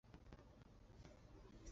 三屯营城址的历史年代为明代。